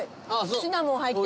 シナモン入ってて。